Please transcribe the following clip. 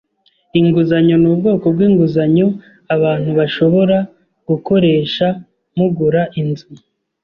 Inguzanyo ni ubwoko bwinguzanyo abantu bashobora gukoresha mugura inzu.